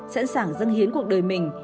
sẵn sàng dân hiến cuộc đời mình